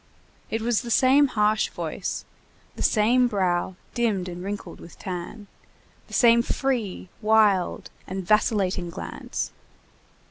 It was the same harsh voice, the same brow dimmed and wrinkled with tan, the same free, wild, and vacillating glance.